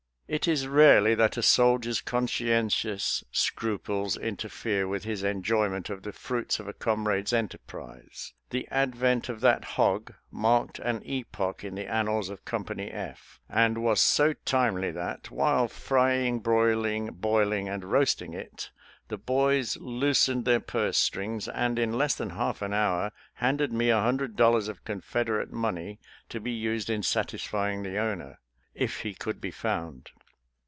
It is rarely that a soldier's conscientious scruples interfere with his eojoyment of the fruits of a comrade's enterprise. The advent of that hog marked an epoch in the annals of Company F, and was so timely that, while frying, broiling, boiling, and roasting it, the boys loosened their purse strings, and in less than half an hour handed me a hundred dollars of Confederate money to be used in satisfying the owner, if he could be found.